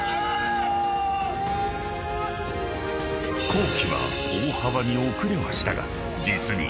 ［工期は大幅に遅れはしたが実に］